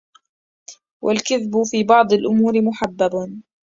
والكذب في بعض الأمور محبب